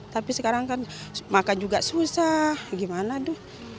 tapi sekarang kan makan juga susah gimana tuh